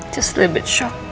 cuma sedikit terkejut